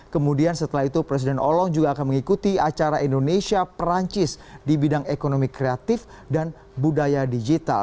kemudian setelah itu presiden holland juga akan mengikuti acara indonesia perancis di bidang ekonomi kreatif dan budaya digital